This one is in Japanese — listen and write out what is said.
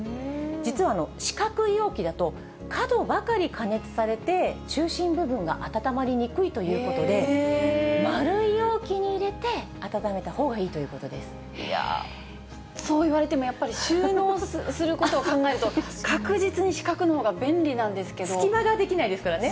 実は四角い容器だと、角ばかり加熱されて、中心部分が温まりにくいということで、丸い容器に入れて温めたほうがいいということでいやー、そう言われてもやっぱり、収納することを考えると、確実に四角の隙間ができないですからね。